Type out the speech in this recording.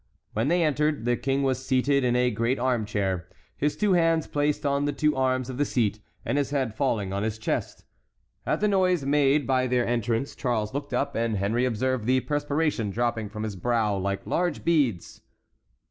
When they entered, the King was seated in a great arm chair, his two hands placed on the two arms of the seat, and his head falling on his chest. At the noise made by their entrance Charles looked up, and Henry observed the perspiration dropping from his brow like large beads.